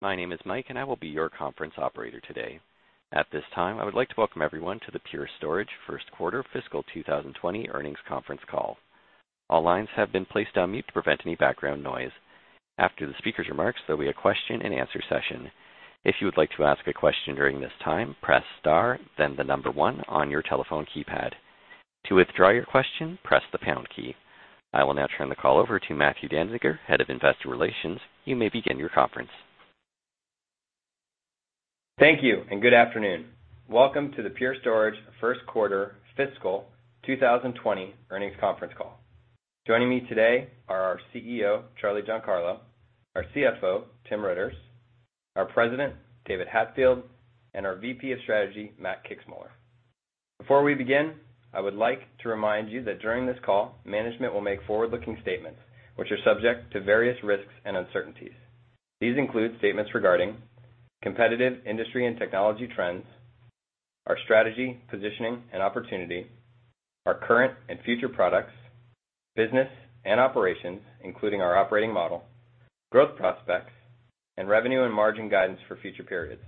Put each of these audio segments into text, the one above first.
My name is Mike. I will be your conference operator today. At this time, I would like to welcome everyone to the Pure Storage First Quarter Fiscal 2020 Earnings Conference Call. All lines have been placed on mute to prevent any background noise. After the speaker's remarks, there'll be a question and answer session. If you would like to ask a question during this time, press star, then the number 1 on your telephone keypad. To withdraw your question, press the pound key. I will now turn the call over to Matthew Danziger, Head of Investor Relations. You may begin your conference. Thank you. Good afternoon. Welcome to the Pure Storage First Quarter Fiscal 2020 Earnings Conference Call. Joining me today are our CEO, Charles Giancarlo, our CFO, Tim Riitters, our President, David Hatfield, and our VP of Strategy, Matt Kixmoeller. Before we begin, I would like to remind you that during this call, management will make forward-looking statements which are subject to various risks and uncertainties. These include statements regarding competitive industry and technology trends, our strategy, positioning, and opportunity, our current and future products, business and operations, including our operating model, growth prospects, and revenue and margin guidance for future periods.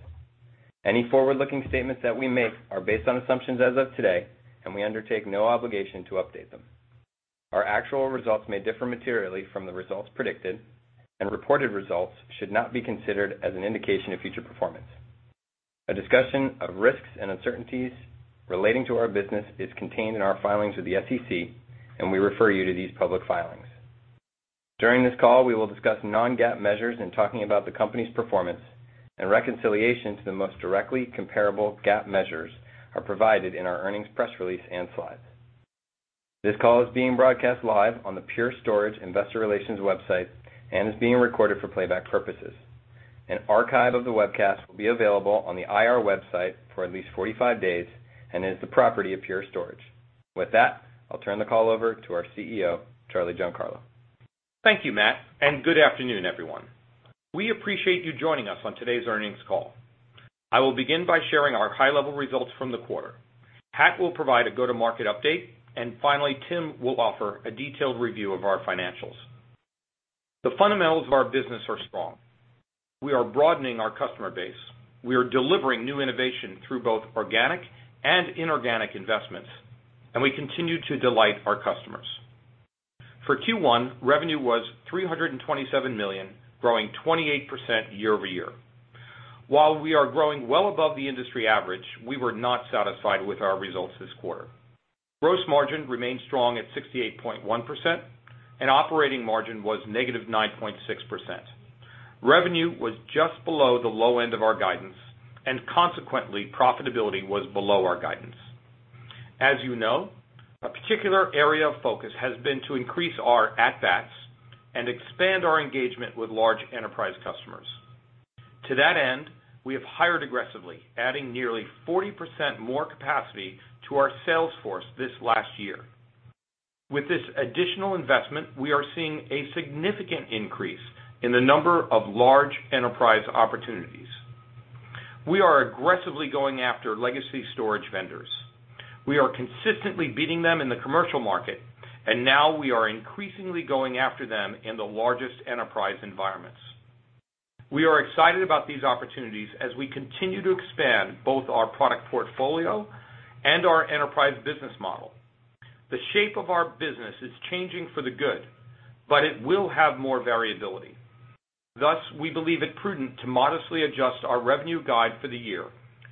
Any forward-looking statements that we make are based on assumptions as of today. We undertake no obligation to update them. Our actual results may differ materially from the results predicted. Reported results should not be considered as an indication of future performance. A discussion of risks and uncertainties relating to our business is contained in our filings with the SEC. We refer you to these public filings. During this call, we will discuss non-GAAP measures in talking about the company's performance. Reconciliation to the most directly comparable GAAP measures are provided in our earnings press release and slides. This call is being broadcast live on the Pure Storage Investor Relations website and is being recorded for playback purposes. An archive of the webcast will be available on the IR website for at least 45 days and is the property of Pure Storage. With that, I'll turn the call over to our CEO, Charles Giancarlo. Thank you, Matt. Good afternoon, everyone. We appreciate you joining us on today's earnings call. I will begin by sharing our high-level results from the quarter. Pat will provide a go-to-market update. Finally, Tim will offer a detailed review of our financials. The fundamentals of our business are strong. We are broadening our customer base. We are delivering new innovation through both organic and inorganic investments. We continue to delight our customers. For Q1, revenue was $327 million, growing 28% year-over-year. While we are growing well above the industry average, we were not satisfied with our results this quarter. Gross margin remained strong at 68.1%. Operating margin was negative 9.6%. Revenue was just below the low end of our guidance. Consequently, profitability was below our guidance. As you know, a particular area of focus has been to increase our at-bats and expand our engagement with large enterprise customers. To that end, we have hired aggressively, adding nearly 40% more capacity to our sales force this last year. With this additional investment, we are seeing a significant increase in the number of large enterprise opportunities. We are aggressively going after legacy storage vendors. We are consistently beating them in the commercial market, and now we are increasingly going after them in the largest enterprise environments. We are excited about these opportunities as we continue to expand both our product portfolio and our enterprise business model. The shape of our business is changing for the good, but it will have more variability. Thus, we believe it prudent to modestly adjust our revenue guide for the year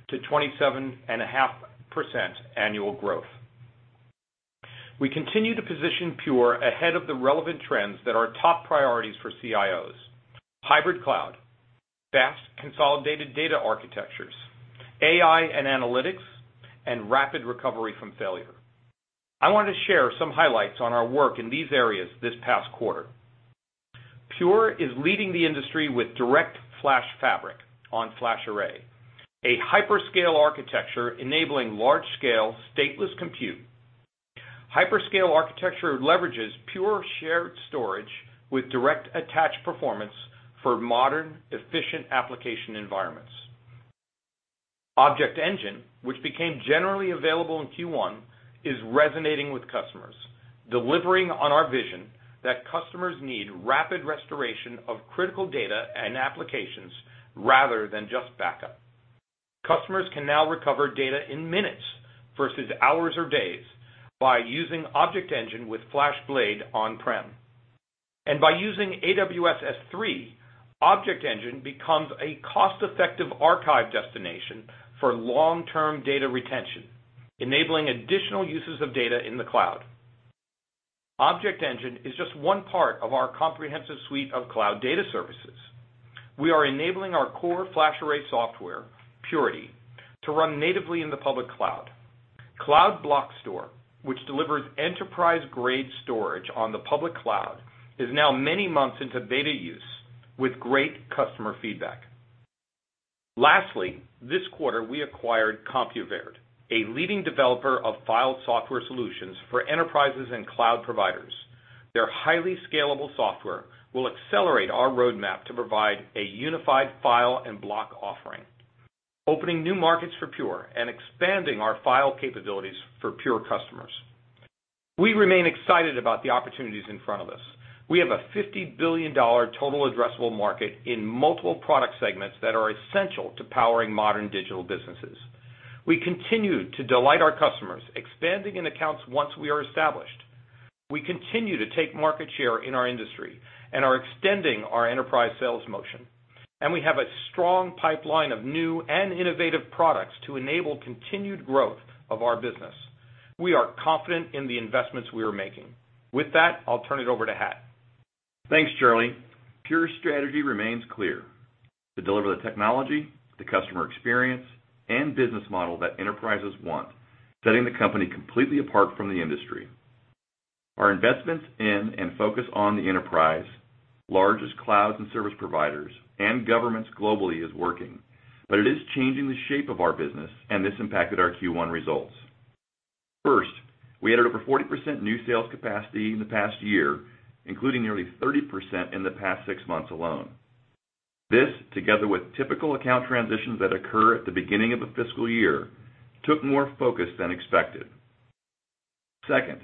to 27.5% annual growth. We continue to position Pure ahead of the relevant trends that are top priorities for CIOs: hybrid cloud, fast consolidated data architectures, AI and analytics, and rapid recovery from failure. I want to share some highlights on our work in these areas this past quarter. Pure is leading the industry with DirectFlash Fabric on FlashArray, a hyperscale architecture enabling large-scale stateless compute. Hyperscale architecture leverages Pure shared storage with direct-attached performance for modern, efficient application environments. ObjectEngine, which became generally available in Q1, is resonating with customers, delivering on our vision that customers need rapid restoration of critical data and applications rather than just backup. Customers can now recover data in minutes versus hours or days by using ObjectEngine with FlashBlade on-prem. By using Amazon S3, ObjectEngine becomes a cost-effective archive destination for long-term data retention, enabling additional uses of data in the cloud. ObjectEngine is just one part of our comprehensive suite of Cloud Data Services. We are enabling our core FlashArray software, Purity, to run natively in the public cloud. Cloud Block Store, which delivers enterprise-grade storage on the public cloud, is now many months into beta use with great customer feedback. Lastly, this quarter, we acquired Compuverde, a leading developer of file software solutions for enterprises and cloud providers. Their highly scalable software will accelerate our roadmap to provide a unified file and block offering, opening new markets for Pure and expanding our file capabilities for Pure customers. We remain excited about the opportunities in front of us. We have a $50 billion total addressable market in multiple product segments that are essential to powering modern digital businesses. We continue to delight our customers, expanding in accounts once we are established. We continue to take market share in our industry and are extending our enterprise sales motion. We have a strong pipeline of new and innovative products to enable continued growth of our business. We are confident in the investments we are making. With that, I'll turn it over to Pat. Thanks, Charlie. Pure's strategy remains clear: to deliver the technology, the customer experience, and business model that enterprises want, setting the company completely apart from the industry. Our investments in and focus on the enterprise, largest clouds and service providers, and governments globally is working, but it is changing the shape of our business, and this impacted our Q1 results. First, we added over 40% new sales capacity in the past year, including nearly 30% in the past six months alone. This, together with typical account transitions that occur at the beginning of a fiscal year, took more focus than expected. Second,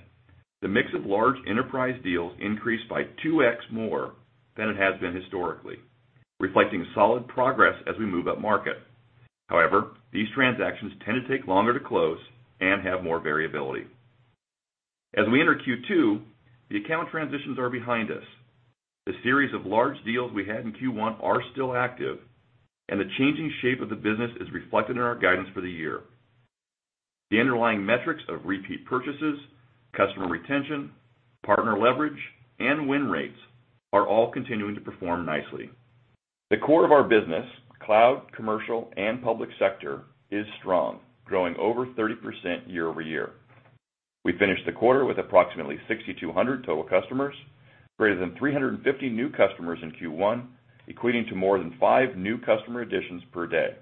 the mix of large enterprise deals increased by 2X more than it has been historically, reflecting solid progress as we move upmarket. However, these transactions tend to take longer to close and have more variability. As we enter Q2, the account transitions are behind us. The series of large deals we had in Q1 are still active, the changing shape of the business is reflected in our guidance for the year. The underlying metrics of repeat purchases, customer retention, partner leverage, and win rates are all continuing to perform nicely. The core of our business, cloud, commercial, and public sector, is strong, growing over 30% year-over-year. We finished the quarter with approximately 6,200 total customers, greater than 350 new customers in Q1, equating to more than five new customer additions per day.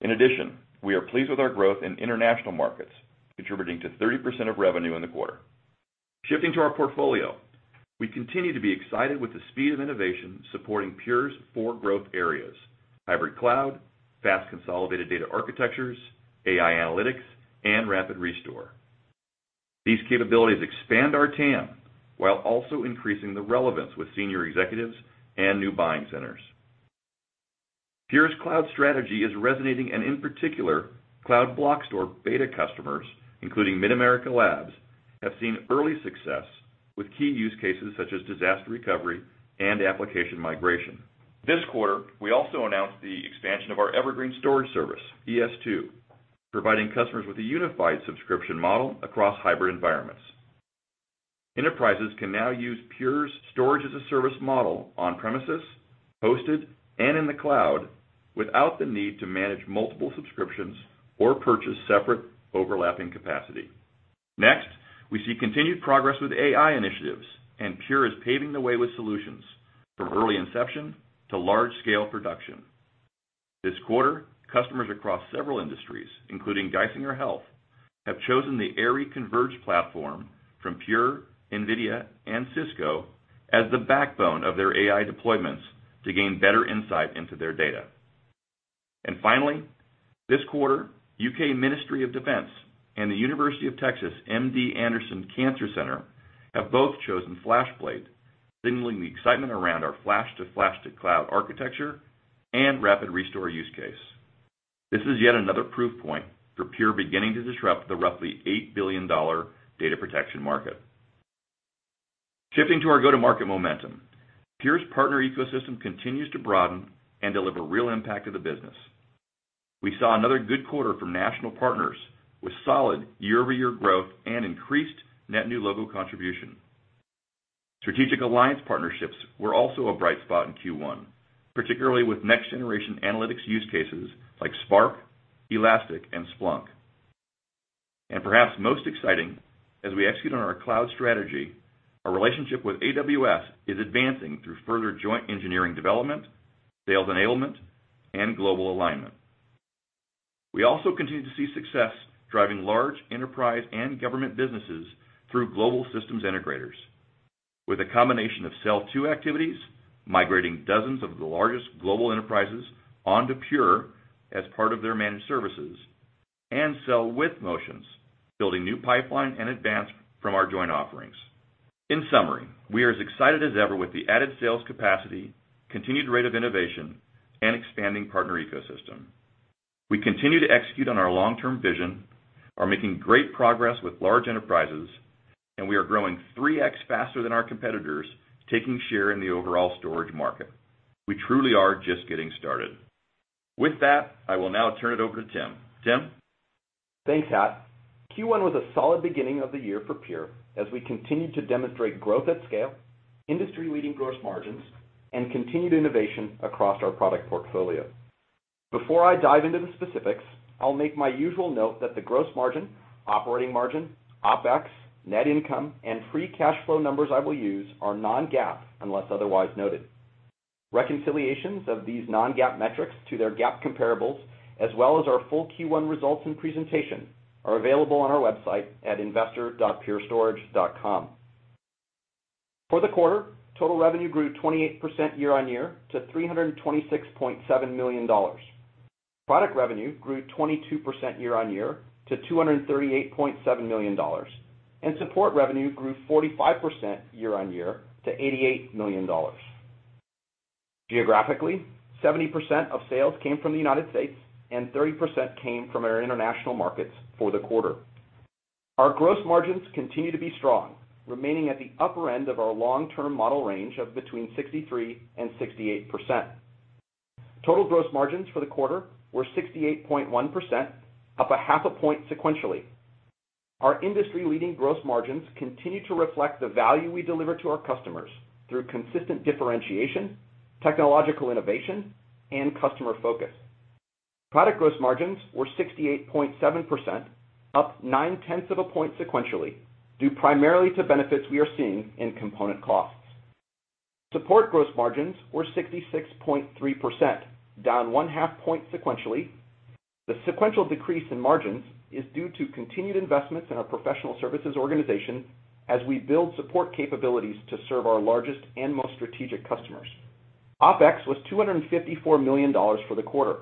In addition, we are pleased with our growth in international markets, contributing to 30% of revenue in the quarter. Shifting to our portfolio, we continue to be excited with the speed of innovation supporting Pure's four growth areas: hybrid cloud, fast consolidated data architectures, AI analytics, and rapid restore. These capabilities expand our TAM while also increasing the relevance with senior executives and new buying centers. Pure's cloud strategy is resonating, in particular, Cloud Block Store beta customers, including MidAmerica Labs, have seen early success with key use cases such as disaster recovery and application migration. This quarter, we also announced the expansion of our Evergreen Storage Service, ES2, providing customers with a unified subscription model across hybrid environments. Enterprises can now use Pure's storage-as-a-service model on-premises, hosted, and in the cloud without the need to manage multiple subscriptions or purchase separate overlapping capacity. Next, we see continued progress with AI initiatives, Pure is paving the way with solutions, from early inception to large-scale production. This quarter, customers across several industries, including Geisinger Health, have chosen the AIRI Converge platform from Pure, NVIDIA, and Cisco as the backbone of their AI deployments to gain better insight into their data. Finally, this quarter, U.K. Ministry of Defence and The University of Texas MD Anderson Cancer Center have both chosen FlashBlade, signaling the excitement around our flash to flash to cloud architecture and rapid restore use case. This is yet another proof point for Pure beginning to disrupt the roughly $8 billion data protection market. Shifting to our go-to-market momentum, Pure's partner ecosystem continues to broaden and deliver real impact to the business. We saw another good quarter from national partners, with solid year-over-year growth and increased net new logo contribution. Strategic alliance partnerships were also a bright spot in Q1, particularly with next-generation analytics use cases like Spark, Elastic, and Splunk. Perhaps most exciting, as we execute on our cloud strategy, our relationship with AWS is advancing through further joint engineering development, sales enablement, and global alignment. We also continue to see success driving large enterprise and government businesses through global systems integrators. With a combination of sell-to activities, migrating dozens of the largest global enterprises onto Pure as part of their managed services, and sell-with motions, building new pipeline and advance from our joint offerings. In summary, we are as excited as ever with the added sales capacity, continued rate of innovation, and expanding partner ecosystem. We continue to execute on our long-term vision, are making great progress with large enterprises, and we are growing 3x faster than our competitors, taking share in the overall storage market. We truly are just getting started. With that, I will now turn it over to Tim. Tim? Thanks, Pat. Q1 was a solid beginning of the year for Pure as we continue to demonstrate growth at scale, industry-leading gross margins, and continued innovation across our product portfolio. Before I dive into the specifics, I will make my usual note that the gross margin, operating margin, OpEx, net income, and free cash flow numbers I will use are non-GAAP unless otherwise noted. Reconciliations of these non-GAAP metrics to their GAAP comparables, as well as our full Q1 results and presentation, are available on our website at investor.purestorage.com. For the quarter, total revenue grew 28% year-on-year to $326.7 million. Product revenue grew 22% year-on-year to $238.7 million, and support revenue grew 45% year-on-year to $88 million. Geographically, 70% of sales came from the United States, and 30% came from our international markets for the quarter. Our gross margins continue to be strong, remaining at the upper end of our long-term model range of between 63% and 68%. Total gross margins for the quarter were 68.1%, up a half a point sequentially. Our industry-leading gross margins continue to reflect the value we deliver to our customers through consistent differentiation, technological innovation, and customer focus. Product gross margins were 68.7%, up nine tenths of a point sequentially, due primarily to benefits we are seeing in component costs. Support gross margins were 66.3%, down one half point sequentially. The sequential decrease in margins is due to continued investments in our professional services organization as we build support capabilities to serve our largest and most strategic customers. OpEx was $254 million for the quarter.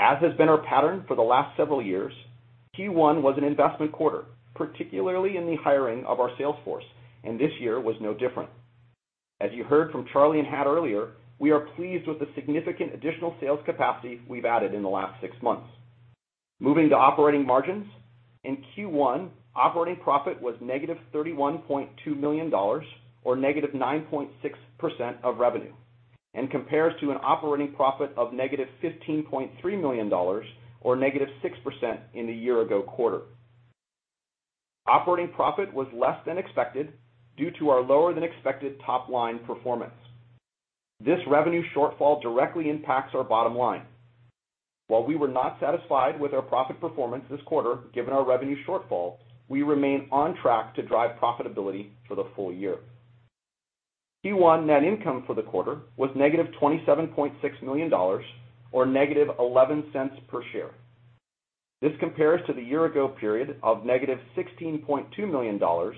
As has been our pattern for the last several years, Q1 was an investment quarter, particularly in the hiring of our sales force, and this year was no different. As you heard from Charlie and Hat earlier, we are pleased with the significant additional sales capacity we have added in the last six months. Moving to operating margins, in Q1, operating profit was -$31.2 million, or -9.6% of revenue, and compares to an operating profit of -$15.3 million, or -6%, in the year-ago quarter. Operating profit was less than expected due to our lower than expected top-line performance. This revenue shortfall directly impacts our bottom line. While we were not satisfied with our profit performance this quarter, given our revenue shortfall, we remain on track to drive profitability for the full year. Q1 net income for the quarter was -$27.6 million, or -$0.11 per share. This compares to the year-ago period of -$16.2 million, or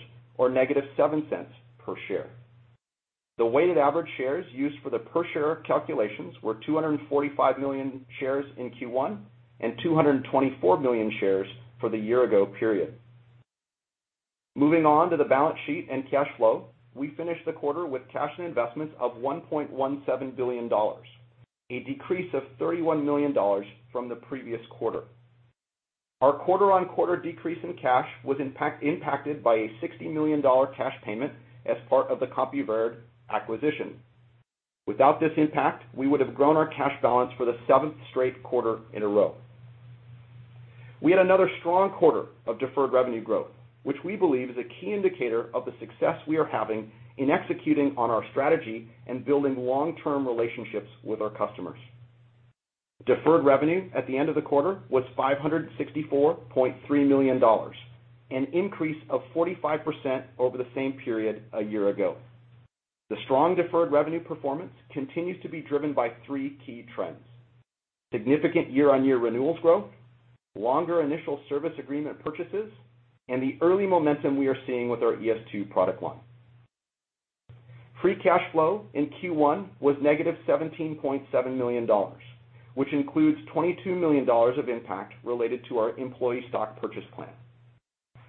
-$0.07 per share. The weighted average shares used for the per share calculations were 245 million shares in Q1 and 224 million shares for the year-ago period. Moving on to the balance sheet and cash flow, we finished the quarter with cash and investments of $1.17 billion, a decrease of $31 million from the previous quarter. Our quarter-on-quarter decrease in cash was impacted by a $60 million cash payment as part of the Compuverde acquisition. Without this impact, we would have grown our cash balance for the seventh straight quarter in a row. We had another strong quarter of deferred revenue growth, which we believe is a key indicator of the success we are having in executing on our strategy and building long-term relationships with our customers. Deferred revenue at the end of the quarter was $564.3 million, an increase of 45% over the same period a year ago. The strong deferred revenue performance continues to be driven by three key trends. Significant year-on-year renewals growth, longer initial service agreement purchases, and the early momentum we are seeing with our ES2 product line. Free cash flow in Q1 was -$17.7 million, which includes $22 million of impact related to our employee stock purchase plan.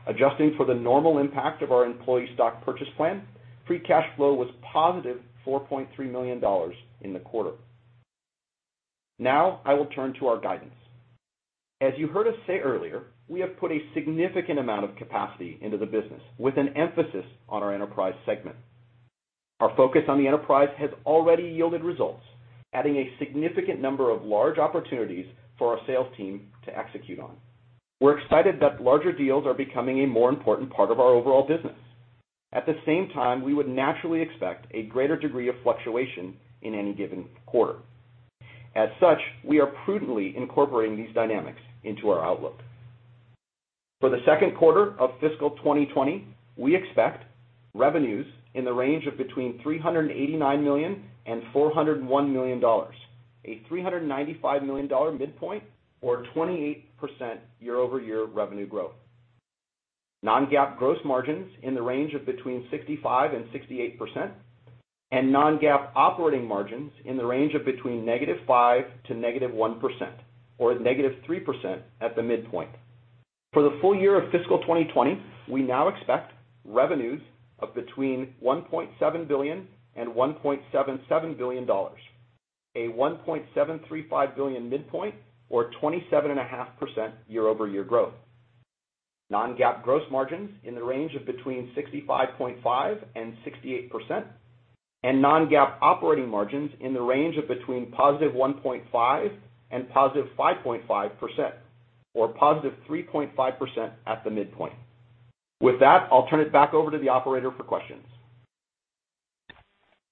Adjusting for the normal impact of our employee stock purchase plan, free cash flow was positive $4.3 million in the quarter. I will turn to our guidance. As you heard us say earlier, we have put a significant amount of capacity into the business, with an emphasis on our enterprise segment. Our focus on the enterprise has already yielded results, adding a significant number of large opportunities for our sales team to execute on. We are excited that larger deals are becoming a more important part of our overall business. At the same time, we would naturally expect a greater degree of fluctuation in any given quarter. As such, we are prudently incorporating these dynamics into our outlook. For the second quarter of fiscal 2020, we expect revenues in the range of between $389 million and $401 million, a $395 million midpoint, or 28% year-over-year revenue growth. Non-GAAP gross margins in the range of between 65% and 68%, and non-GAAP operating margins in the range of between -5% and -1%, or at -3% at the midpoint. For the full year of fiscal 2020, we expect revenues of between $1.7 billion and $1.77 billion, a $1.735 billion midpoint, or 27.5% year-over-year growth. Non-GAAP gross margins in the range of between 65.5% and 68%, and non-GAAP operating margins in the range of between +1.5% and +5.5%, or +3.5% at the midpoint. I will turn it back over to the operator for questions.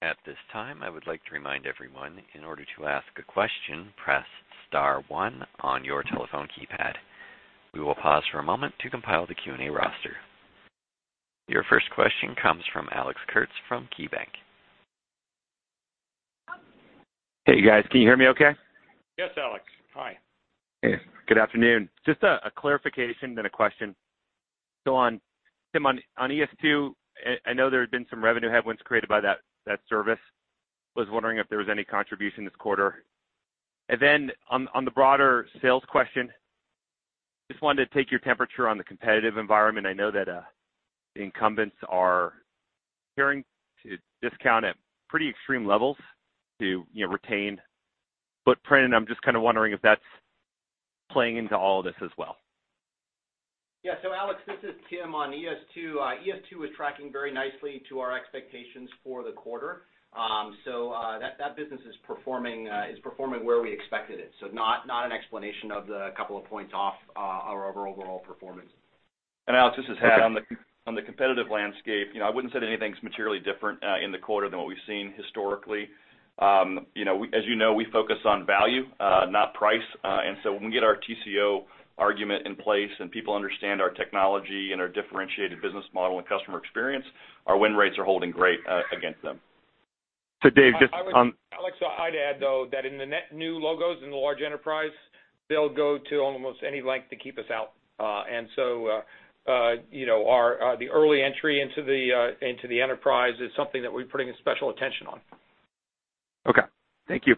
At this time, I would like to remind everyone, in order to ask a question, press *1 on your telephone keypad. We will pause for a moment to compile the Q&A roster. Your first question comes from Alex Kurtz from KeyBanc. Hey, guys, can you hear me okay? Yes, Alex. Hi. Hey, good afternoon. Just a clarification, then a question. Tim, on ESS, I know there had been some revenue headwinds created by that service. Was wondering if there was any contribution this quarter. On the broader sales question, just wanted to take your temperature on the competitive environment. I know that the incumbents are appearing to discount at pretty extreme levels to retain footprint, and I'm just kind of wondering if that's playing into all of this as well. Alex, this is Tim. On ES2 is tracking very nicely to our expectations for the quarter. That business is performing where we expected it. Not an explanation of the couple of points off our overall performance. Alex, this is Hat. On the competitive landscape, I wouldn't say anything's materially different in the quarter than what we've seen historically. As you know, we focus on value, not price. When we get our TCO argument in place and people understand our technology and our differentiated business model and customer experience, our win rates are holding great against them. Dave, just on- Alex, I'd add, though, that in the net new logos in the large enterprise, they'll go to almost any length to keep us out. The early entry into the enterprise is something that we're putting special attention on. Okay. Thank you.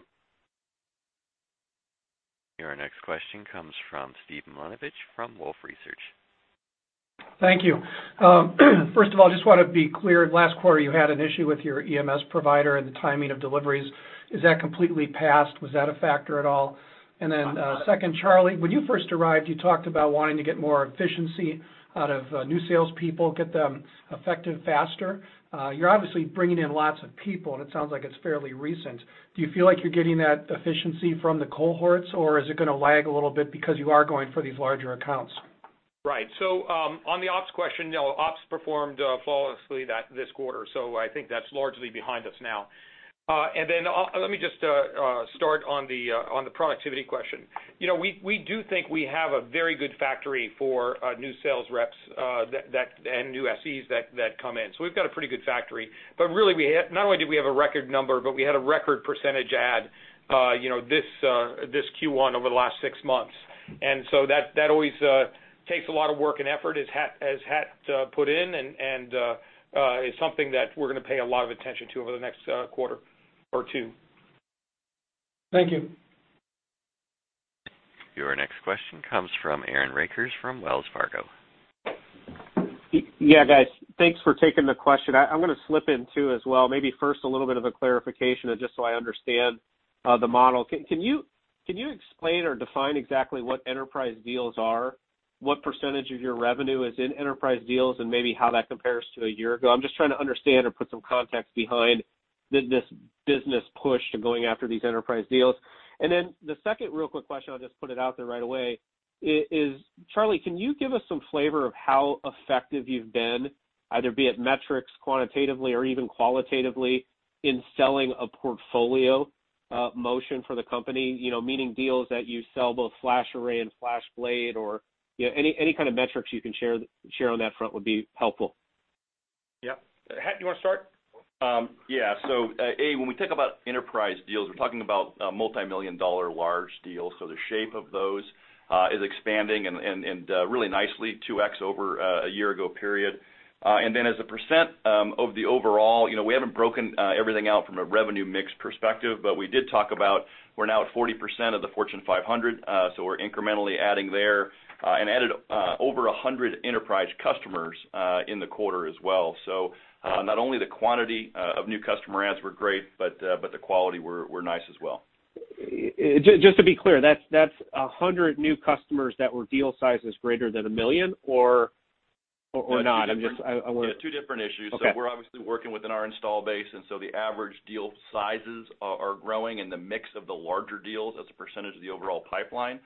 Your next question comes from Steve Milunovich from Wolfe Research. Thank you. First of all, just want to be clear. Last quarter, you had an issue with your EMS provider and the timing of deliveries. Is that completely passed? Was that a factor at all? Second, Charlie, when you first arrived, you talked about wanting to get more efficiency out of new salespeople, get them effective faster. You're obviously bringing in lots of people, and it sounds like it's fairly recent. Do you feel like you're getting that efficiency from the cohorts, or is it going to lag a little bit because you are going for these larger accounts? Right. On the ops question, no, ops performed flawlessly this quarter, so I think that's largely behind us now. Let me just start on the productivity question. We do think we have a very good factory for new sales reps, and new SEs that come in. We've got a pretty good factory. Really, not only did we have a record number, but we had a record percentage add this Q1 over the last six months. That always takes a lot of work and effort as Hat put in, and is something that we're going to pay a lot of attention to over the next quarter or two. Thank you. Your next question comes from Aaron Rakers from Wells Fargo. Yeah, guys. Thanks for taking the question. I'm going to slip in two as well. Maybe first a little bit of a clarification just so I understand the model. Can you explain or define exactly what enterprise deals are, what percentage of your revenue is in enterprise deals, and maybe how that compares to a year ago? I'm just trying to understand or put some context behind this business push to going after these enterprise deals. Then the second real quick question, I'll just put it out there right away, is Charlie, can you give us some flavor of how effective you've been, either be it metrics quantitatively or even qualitatively in selling a portfolio motion for the company? Meaning deals that you sell both FlashArray and FlashBlade or any kind of metrics you can share on that front would be helpful. Yep. Hat, you want to start? Yeah. When we think about enterprise deals, we're talking about multimillion-dollar large deals. The shape of those is expanding and really nicely 2X over a year-ago period. As a percent of the overall, we haven't broken everything out from a revenue mix perspective, but we did talk about we're now at 40% of the Fortune 500, so we're incrementally adding there, and added over 100 enterprise customers in the quarter as well. Not only the quantity of new customer adds were great, but the quality were nice as well. Just to be clear, that's 100 new customers that were deal sizes greater than $1 million or not? Yeah. Two different issues. Okay. We're obviously working within our install base, the average deal sizes are growing, and the mix of the larger deals as a percentage of the overall pipeline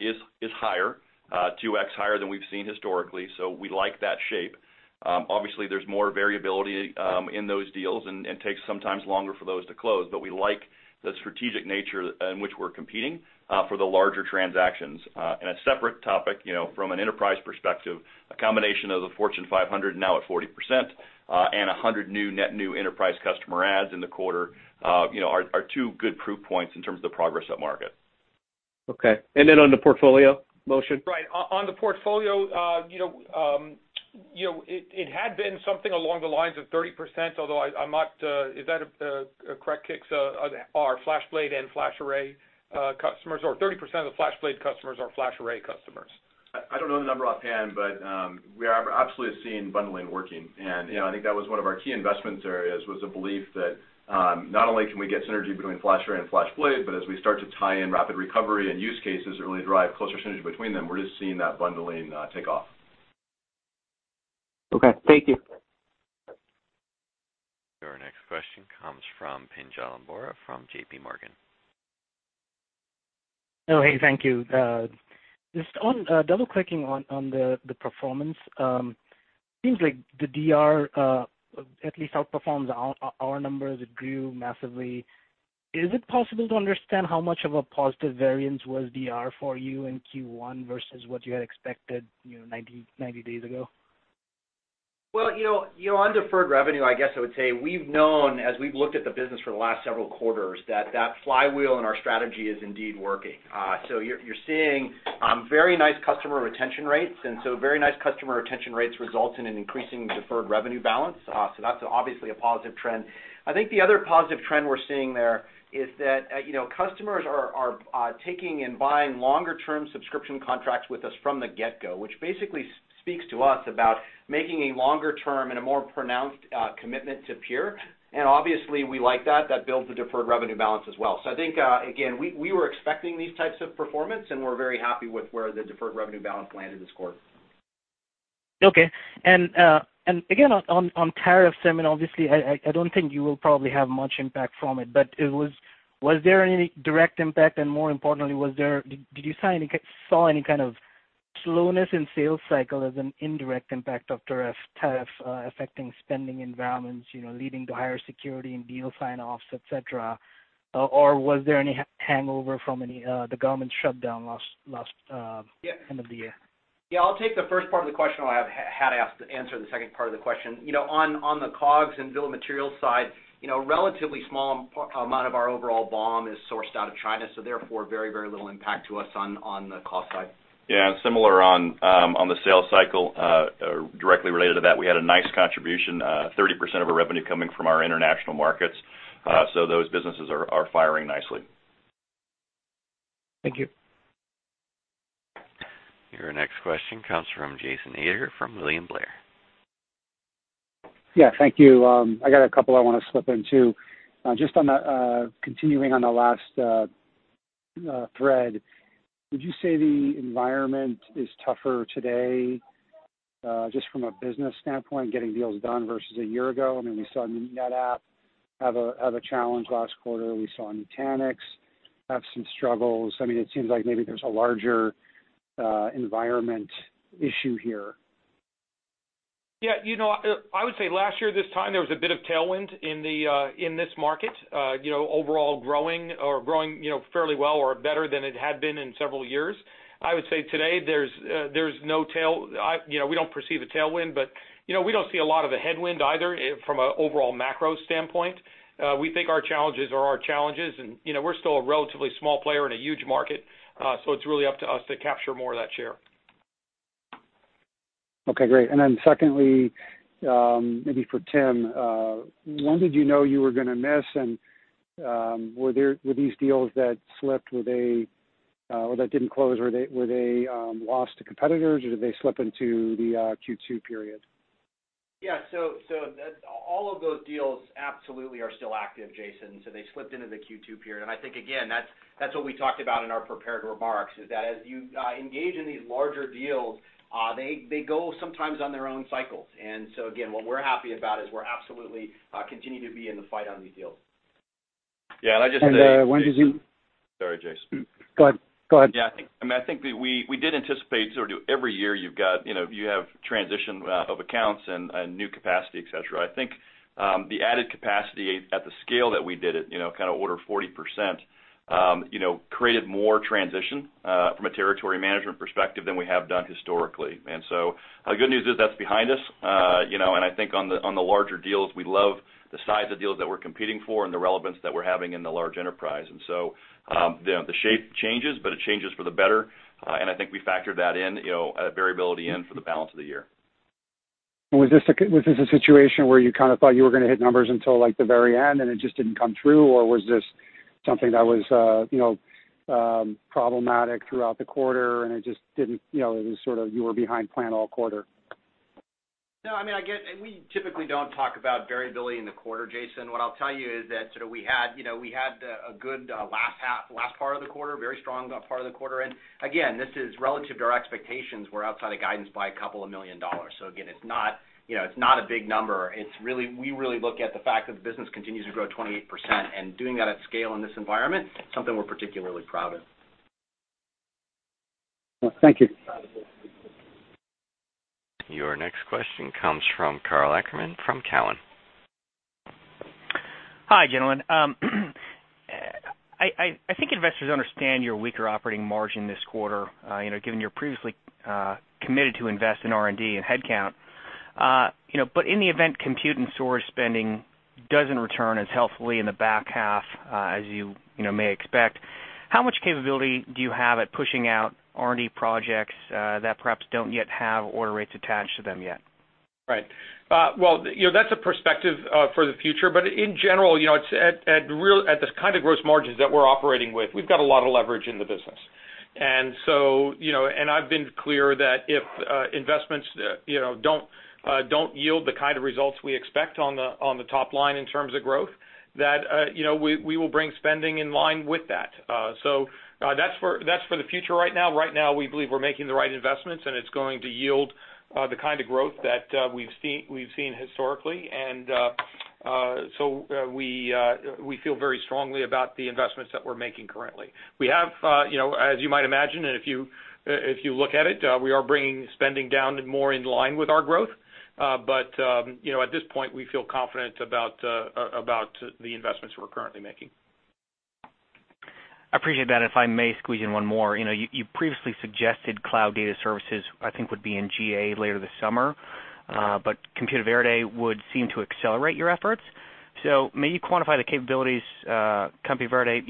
is higher, 2X higher than we've seen historically. We like that shape. Obviously, there's more variability in those deals and takes sometimes longer for those to close, we like the strategic nature in which we're competing for the larger transactions. In a separate topic from an enterprise perspective, a combination of the Fortune 500 now at 40% and 100 net new enterprise customer adds in the quarter are two good proof points in terms of the progress at market. Okay. Then on the portfolio motion? Right. On the portfolio, it had been something along the lines of 30%, although is that a correct, Kix? Our FlashBlade and FlashArray customers, or 30% of the FlashBlade customers are FlashArray customers. I don't know the number offhand, we are absolutely seeing bundling working. I think that was one of our key investment areas was the belief that not only can we get synergy between FlashArray and FlashBlade, as we start to tie in rapid recovery and use cases that really drive closer synergy between them, we're just seeing that bundling take off. Okay. Thank you. Your next question comes from Pinjalim Bora from JPMorgan. Oh, hey, thank you. Just on double-clicking on the performance, seems like the DR at least outperforms our numbers. It grew massively. Is it possible to understand how much of a positive variance was DR for you in Q1 versus what you had expected 90 days ago? Well, on deferred revenue, I guess I would say we've known as we've looked at the business for the last several quarters that that flywheel in our strategy is indeed working. You're seeing very nice customer retention rates, and so very nice customer retention rates results in an increasing deferred revenue balance. That's obviously a positive trend. I think the other positive trend we're seeing there is that customers are taking and buying longer-term subscription contracts with us from the get-go, which basically speaks to us about making a longer-term and a more pronounced commitment to Pure. Obviously, we like that. That builds the deferred revenue balance as well. I think, again, we were expecting these types of performance, and we're very happy with where the deferred revenue balance landed this quarter. Okay. Again, on tariffs, Tim, and obviously, I don't think you will probably have much impact from it, but was there any direct impact? More importantly, did you saw any kind of slowness in sales cycle as an indirect impact of tariff affecting spending environments, leading to higher security and deal sign-offs, et cetera? Was there any hangover from the government shutdown last end of the year? Yeah, I'll take the first part of the question, while I have Hat ask to answer the second part of the question. On the COGS and bill of material side, relatively small amount of our overall BOM is sourced out of China. Therefore, very little impact to us on the cost side. Yeah, similar on the sales cycle, directly related to that, we had a nice contribution, 30% of our revenue coming from our international markets. Those businesses are firing nicely. Thank you. Your next question comes from Jason Ader from William Blair. Yeah, thank you. I got a couple I want to slip in, too. Just on the continuing on the last thread, would you say the environment is tougher today, just from a business standpoint, getting deals done versus a year ago? We saw NetApp have a challenge last quarter. We saw Nutanix have some struggles. It seems like maybe there's a larger environment issue here. Yeah. I would say last year this time, there was a bit of tailwind in this market, overall growing fairly well or better than it had been in several years. I would say today, we don't perceive a tailwind, we don't see a lot of a headwind either from an overall macro standpoint. We think our challenges are our challenges, we're still a relatively small player in a huge market. It's really up to us to capture more of that share. Okay, great. Secondly, maybe for Tim, when did you know you were going to miss, and were these deals that slipped or that didn't close, were they lost to competitors, or did they slip into the Q2 period? Yeah. All of those deals absolutely are still active, Jason, they slipped into the Q2 period. I think, again, that's what we talked about in our prepared remarks, is that as you engage in these larger deals, they go sometimes on their own cycles. Again, what we're happy about is we're absolutely continue to be in the fight on these deals. Yeah, I just- When did you- Sorry, Jason. Go ahead. Yeah, I think that we did anticipate sort of every year you have transition of accounts and new capacity, et cetera. I think the added capacity at the scale that we did it, kind of order 40%, created more transition from a territory management perspective than we have done historically. The good news is that's behind us. I think on the larger deals, we love the size of deals that we're competing for and the relevance that we're having in the large enterprise. The shape changes, but it changes for the better, and I think we factored that in, that variability in for the balance of the year. Was this a situation where you kind of thought you were going to hit numbers until the very end and it just didn't come true? Or was this something that was problematic throughout the quarter, and it was sort of you were behind plan all quarter? No, we typically don't talk about variability in the quarter, Jason. What I'll tell you is that sort of we had a good last part of the quarter, very strong part of the quarter. Again, this is relative to our expectations. We're outside of guidance by a couple of million dollars. Again, it's not a big number. We really look at the fact that the business continues to grow 28%, and doing that at scale in this environment, something we're particularly proud of. Thank you. Your next question comes from Karl Ackerman from Cowen. Hi, gentlemen. I think investors understand your weaker operating margin this quarter, given you're previously committed to invest in R&D and headcount. In the event compute and storage spending doesn't return as healthily in the back half as you may expect, how much capability do you have at pushing out R&D projects that perhaps don't yet have order rates attached to them yet? Right. Well, that's a perspective for the future, but in general, at the kind of gross margins that we're operating with, we've got a lot of leverage in the business. I've been clear that if investments don't yield the kind of results we expect on the top line in terms of growth, that we will bring spending in line with that. That's for the future right now. Right now, we believe we're making the right investments, and it's going to yield the kind of growth that we've seen historically. We feel very strongly about the investments that we're making currently. We have, as you might imagine, and if you look at it, we are bringing spending down and more in line with our growth. At this point, we feel confident about the investments we're currently making. I appreciate that. If I may squeeze in one more. You previously suggested Cloud Data Services, I think would be in GA later this summer. Compuverde would seem to accelerate your efforts. May you quantify the capabilities Compuverde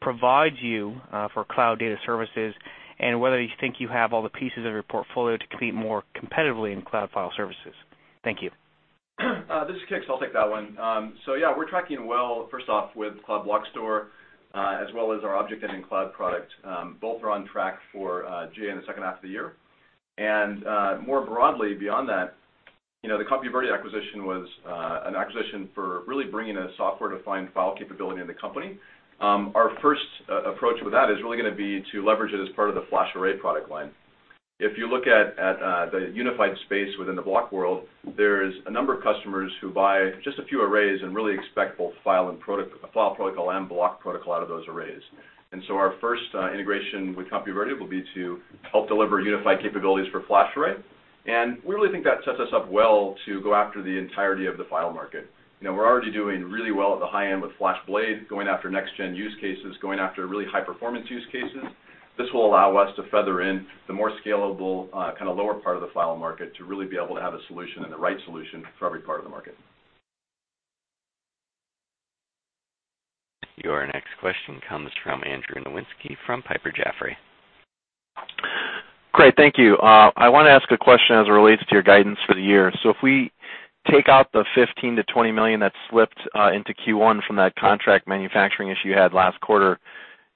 provides you for Cloud Data Services and whether you think you have all the pieces of your portfolio to compete more competitively in cloud file services? Thank you. This is Kix, I'll take that one. Yeah, we're tracking well, first off, with Cloud Block Store, as well as our ObjectEngine cloud product. Both are on track for GA in the second half of the year. More broadly beyond that, the Compuverde acquisition was an acquisition for really bringing a software-defined file capability into the company. Our first approach with that is really going to be to leverage it as part of the FlashArray product line. If you look at the unified space within the block world, there's a number of customers who buy just a few arrays and really expect both file protocol and block protocol out of those arrays. Our first integration with Compuverde will be to help deliver unified capabilities for FlashArray. We really think that sets us up well to go after the entirety of the file market. We're already doing really well at the high end with FlashBlade, going after next-gen use cases, going after really high-performance use cases. This will allow us to feather in the more scalable, kind of lower part of the file market to really be able to have a solution and the right solution for every part of the market. Your next question comes from Andrew Nowinski from Piper Jaffray. Great, thank you. I want to ask a question as it relates to your guidance for the year. If we take out the $15 million-$20 million that slipped into Q1 from that contract manufacturing issue you had last quarter,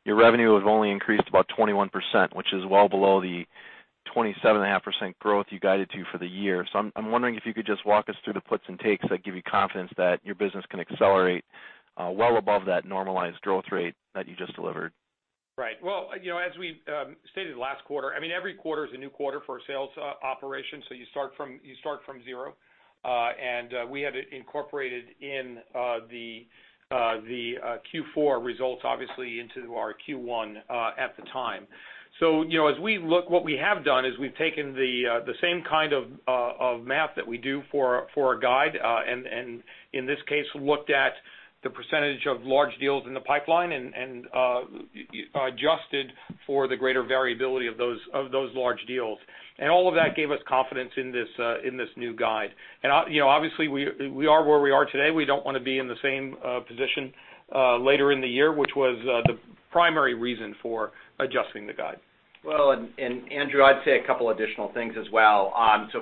your revenue has only increased about 21%, which is well below the 27.5% growth you guided to for the year. I'm wondering if you could just walk us through the puts and takes that give you confidence that your business can accelerate well above that normalized growth rate that you just delivered. Right. Well, as we stated last quarter, every quarter is a new quarter for a sales operation, so you start from zero. We have it incorporated in the Q4 results, obviously into our Q1 at the time. As we look, what we have done is we've taken the same kind of math that we do for our guide, in this case, looked at the percentage of large deals in the pipeline and adjusted for the greater variability of those large deals. All of that gave us confidence in this new guide. Obviously, we are where we are today. We don't want to be in the same position later in the year, which was the primary reason for adjusting the guide. Andrew, I'd say a couple additional things as well.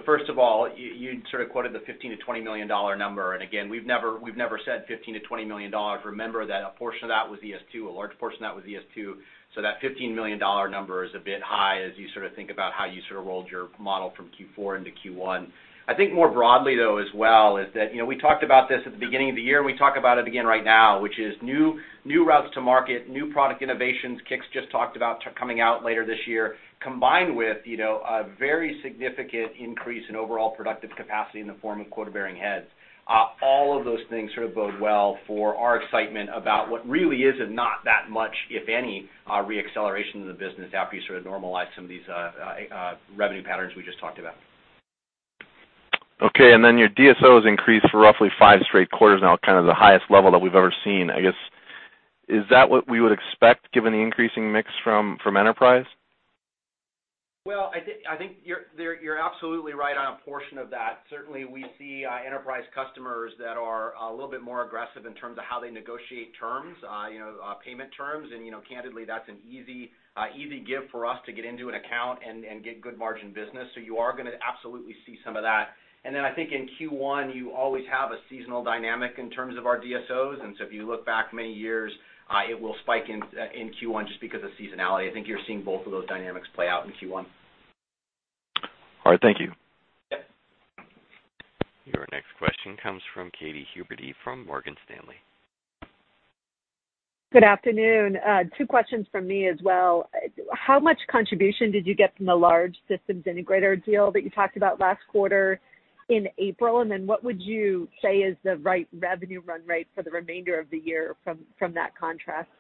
First of all, you sort of quoted the $15 million to $20 million number. Again, we've never said $15 million to $20 million. Remember that a portion of that was ES2, a large portion of that was ES2. That $15 million number is a bit high as you sort of think about how you sort of rolled your model from Q4 into Q1. I think more broadly, though, as well, is that, we talked about this at the beginning of the year, we talk about it again right now, which is new routes to market, new product innovations Kix just talked about coming out later this year, combined with a very significant increase in overall productive capacity in the form of quota-bearing heads. All of those things sort of bode well for our excitement about what really is a not that much, if any, re-acceleration in the business after you sort of normalize some of these revenue patterns we just talked about. Your DSOs increased for roughly five straight quarters now, kind of the highest level that we've ever seen. I guess, is that what we would expect given the increasing mix from enterprise? I think you're absolutely right on a portion of that. Certainly, we see enterprise customers that are a little bit more aggressive in terms of how they negotiate terms, payment terms, and candidly, that's an easy give for us to get into an account and get good margin business. You are going to absolutely see some of that. I think in Q1, you always have a seasonal dynamic in terms of our DSOs. If you look back many years, it will spike in Q1 just because of seasonality. You're seeing both of those dynamics play out in Q1. Thank you. Yep. Your next question comes from Katy Huberty from Morgan Stanley. Good afternoon. Two questions from me as well. How much contribution did you get from the large systems integrator deal that you talked about last quarter in April? What would you say is the right revenue run rate for the remainder of the year from that contract?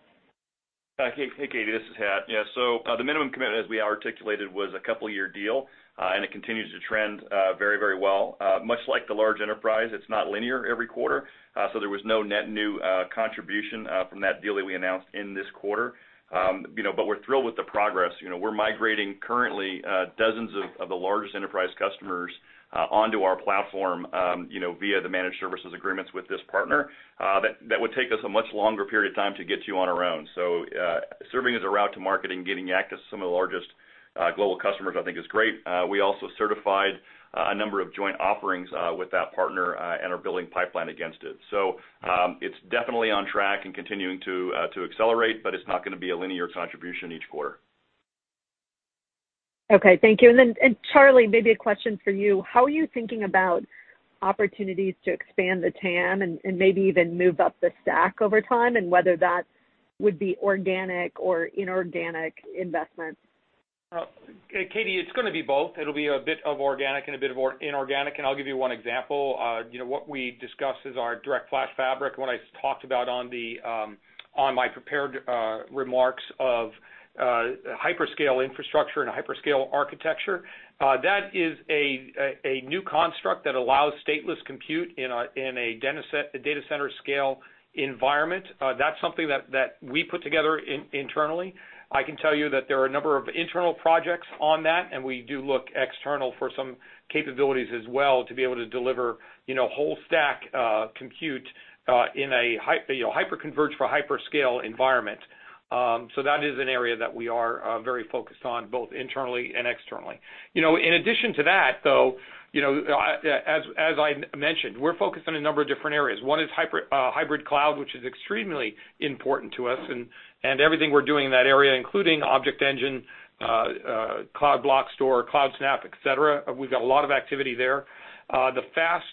Hey, Katy, this is Hat. The minimum commitment, as we articulated, was a couple-year deal. It continues to trend very well. Much like the large enterprise, it's not linear every quarter. There was no net new contribution from that deal that we announced in this quarter. We're thrilled with the progress. We're migrating currently dozens of the largest enterprise customers onto our platform via the managed services agreements with this partner. That would take us a much longer period of time to get to on our own. Serving as a route to market and getting access to some of the largest global customers I think is great. We also certified a number of joint offerings with that partner and are building pipeline against it. It's definitely on track and continuing to accelerate, but it's not going to be a linear contribution each quarter. Thank you. Charlie, maybe a question for you. How are you thinking about opportunities to expand the TAM and maybe even move up the stack over time, whether that would be organic or inorganic investment? Katy, it's going to be both. It'll be a bit of organic and a bit of inorganic. I'll give you one example. What we discussed is our DirectFlash Fabric, what I talked about on my prepared remarks of a hyperscale infrastructure and a hyperscale architecture. That is a new construct that allows stateless compute in a data center scale environment. That's something that we put together internally. I can tell you that there are a number of internal projects on that. We do look external for some capabilities as well to be able to deliver whole stack compute in a hyper-converged for hyperscale environment. That is an area that we are very focused on, both internally and externally. In addition to that, though, as I mentioned, we're focused on a number of different areas. One is hybrid cloud, which is extremely important to us and everything we're doing in that area, including ObjectEngine, Cloud Block Store, CloudSnap, et cetera. We've got a lot of activity there. The fast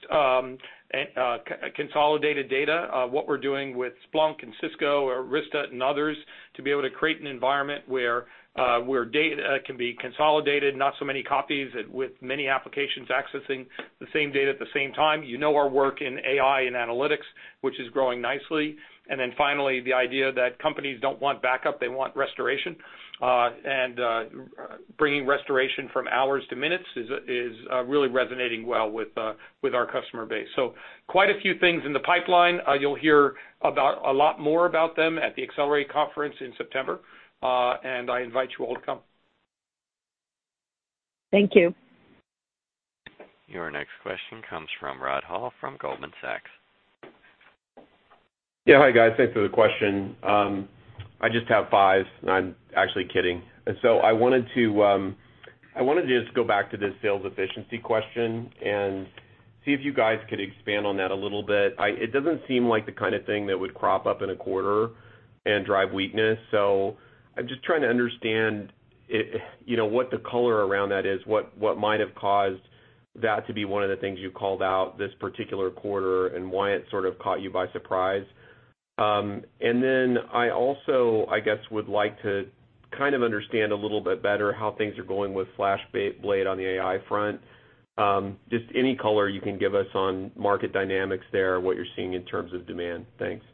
consolidated data, what we're doing with Splunk, Cisco, Arista, and others, to be able to create an environment where data can be consolidated, not so many copies with many applications accessing the same data at the same time. You know our work in AI and analytics, which is growing nicely. Finally, the idea that companies don't want backup, they want restoration. Bringing restoration from hours to minutes is really resonating well with our customer base. Quite a few things in the pipeline. You'll hear a lot more about them at the Accelerate Conference in September. I invite you all to come. Thank you. Your next question comes from Rod Hall from Goldman Sachs. Hi, guys. Thanks for the question. I just have five. No, I'm actually kidding. I wanted to just go back to this sales efficiency question and see if you guys could expand on that a little bit. It doesn't seem like the kind of thing that would crop up in a quarter and drive weakness. I'm just trying to understand what the color around that is, what might have caused that to be one of the things you called out this particular quarter, and why it sort of caught you by surprise. I also, I guess, would like to understand a little bit better how things are going with FlashBlade on the AI front. Just any color you can give us on market dynamics there, what you're seeing in terms of demand. Thanks.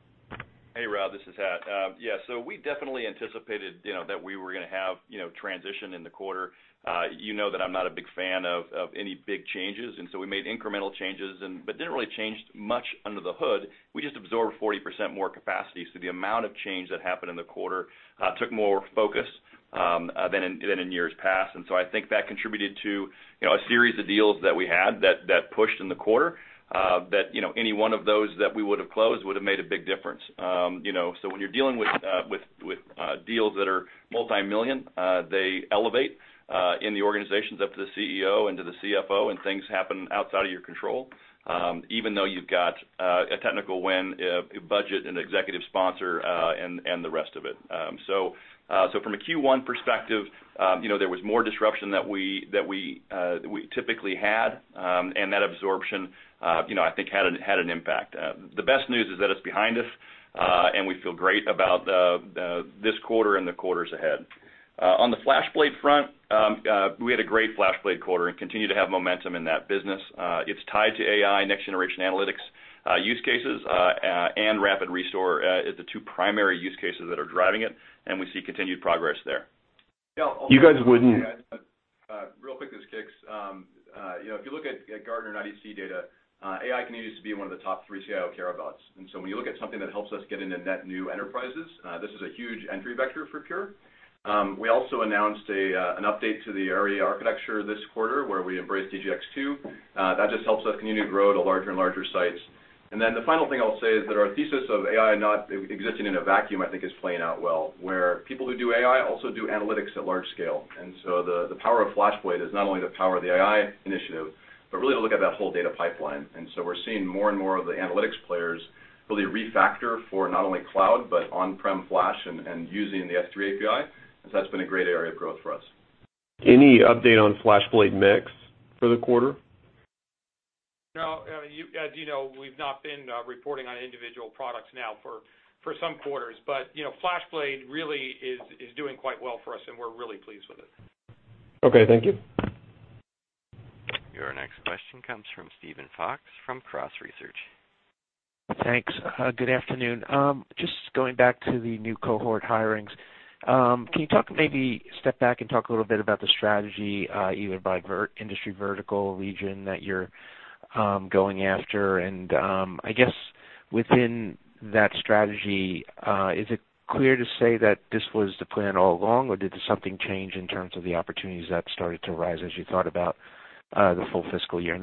Hey, Rod, this is Hat. We definitely anticipated that we were going to have transition in the quarter. You know that I'm not a big fan of any big changes. We made incremental changes, but didn't really change much under the hood. We just absorbed 40% more capacity. The amount of change that happened in the quarter took more focus than in years past. I think that contributed to a series of deals that we had that pushed in the quarter, that any one of those that we would have closed would have made a big difference. When you're dealing with deals that are multi-million, they elevate in the organizations up to the CEO and to the CFO, and things happen outside of your control, even though you've got a technical win, a budget, an executive sponsor, and the rest of it. From a Q1 perspective, there was more disruption that we typically had. That absorption I think had an impact. The best news is that it's behind us, we feel great about this quarter and the quarters ahead. On the FlashBlade front, we had a great FlashBlade quarter and continue to have momentum in that business. It's tied to AI, next generation analytics use cases, rapid restore is the two primary use cases that are driving it, we see continued progress there. You guys wouldn't- Real quick, this is Kix. If you look at Gartner and IDC data, AI continues to be one of the top three CIO care abouts. When you look at something that helps us get into net new enterprises, this is a huge entry vector for Pure. We also announced an update to the AIRI architecture this quarter where we embrace DGX-2. That just helps us continue to grow to larger and larger sites. The final thing I'll say is that our thesis of AI not existing in a vacuum, I think is playing out well, where people who do AI also do analytics at large scale. The power of FlashBlade is not only the power of the AI initiative, but really to look at that whole data pipeline. We're seeing more and more of the analytics players really refactor for not only cloud, but on-prem flash and using the S3 API. That's been a great area of growth for us. Any update on FlashBlade Mix for the quarter? No, as you know, we've not been reporting on individual products now for some quarters. FlashBlade really is doing quite well for us and we're really pleased with it. Okay, thank you. Your next question comes from Steven Fox from Cross Research. Thanks. Good afternoon. Just going back to the new cohort hirings. Can you maybe step back and talk a little bit about the strategy, either by industry vertical, region that you're going after? I guess within that strategy, is it clear to say that this was the plan all along, or did something change in terms of the opportunities that started to rise as you thought about the full fiscal year?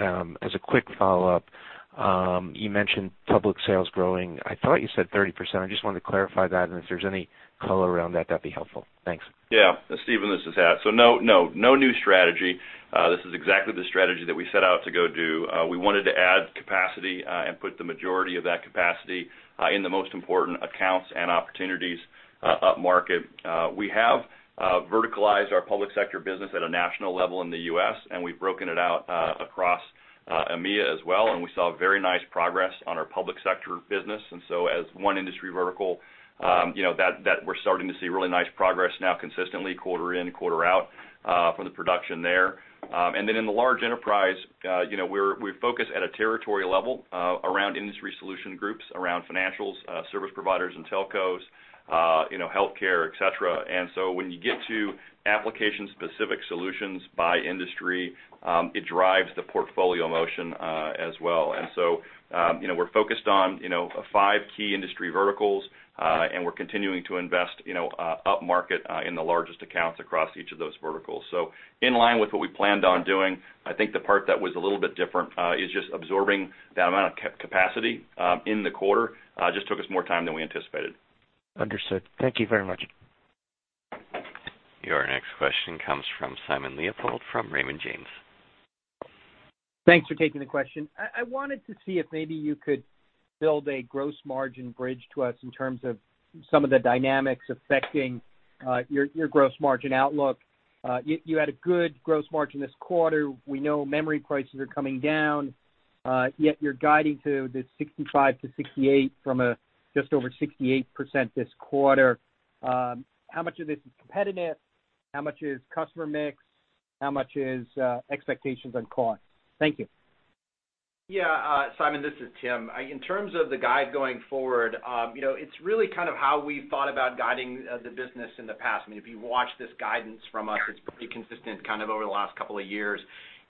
As a quick follow-up, you mentioned public sales growing, I thought you said 30%. I just wanted to clarify that, and if there's any color around that'd be helpful. Thanks. Yeah. Steven, this is Hat. No new strategy. This is exactly the strategy that we set out to go do. We wanted to add capacity, and put the majority of that capacity in the most important accounts and opportunities up market. We have verticalized our public sector business at a national level in the U.S., and we've broken it out Across EMEA as well, and we saw very nice progress on our public sector business. As one industry vertical, we're starting to see really nice progress now consistently quarter in, quarter out, from the production there. In the large enterprise, we focus at a territory level around industry solution groups, around financials, service providers and telcos, healthcare, et cetera. When you get to application-specific solutions by industry, it drives the portfolio motion as well. We're focused on five key industry verticals, and we're continuing to invest upmarket in the largest accounts across each of those verticals. In line with what we planned on doing, I think the part that was a little bit different is just absorbing that amount of capacity in the quarter, just took us more time than we anticipated. Understood. Thank you very much. Your next question comes from Simon Leopold from Raymond James. Thanks for taking the question. I wanted to see if maybe you could build a gross margin bridge to us in terms of some of the dynamics affecting your gross margin outlook. You had a good gross margin this quarter. We know memory prices are coming down, yet you're guiding to the 65%-68% from just over 68% this quarter. How much of this is competitive? How much is customer mix? How much is expectations on cost? Thank you. Simon, this is Tim. In terms of the guide going forward, it's really how we thought about guiding the business in the past. If you watch this guidance from us, it's pretty consistent over the last couple of years.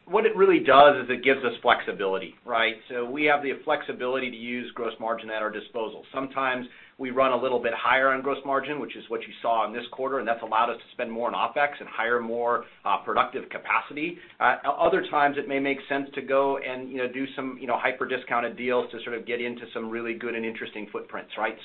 What it really does is it gives us flexibility, right? We have the flexibility to use gross margin at our disposal. Sometimes we run a little bit higher on gross margin, which is what you saw on this quarter, and that's allowed us to spend more on OpEx and hire more productive capacity. Other times, it may make sense to go and do some hyper-discounted deals to sort of get into some really good and interesting footprints, right?